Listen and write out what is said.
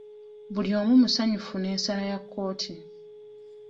Buli omu musanyufu n'ensala ya kkooti.